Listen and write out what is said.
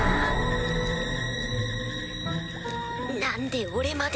何で俺まで。